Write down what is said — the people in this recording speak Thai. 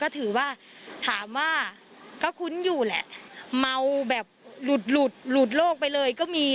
ก็ถือว่าถามว่าก็คุ้นอยู่แหละเมาแบบหลุดหลุดหลุดโลกไปเลยก็มี